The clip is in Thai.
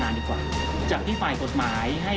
และที่ไหนด้วยเอกลักษณ์น้ำว่าจะไม่ไหล